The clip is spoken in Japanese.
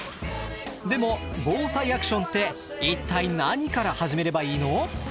でも「ＢＯＳＡＩアクション」って一体何から始めればいいの？